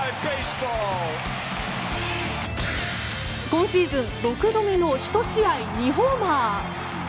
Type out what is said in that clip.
今シーズン６度目の１試合２ホーマー。